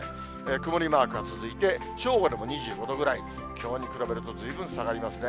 曇りマークが続いて、正午でも２５度ぐらい、きょうに比べるとずいぶん下がりますね。